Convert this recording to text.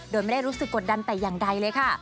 โดยไม่ได้รู้สึกกดดันแต่อย่างใดเลยค่ะ